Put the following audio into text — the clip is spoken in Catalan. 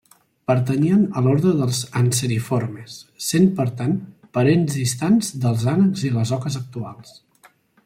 Pertanyien a l'ordre dels anseriformes, sent per tant parents distants dels ànecs i oques actuals.